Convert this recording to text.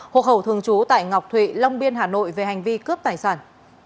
hộp hậu thường trú tại ngọc thụy long biên hà nội về hành vi cướp tài sản